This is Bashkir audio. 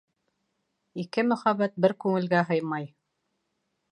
Ике мөхәббәт бер күңелгә һыймай.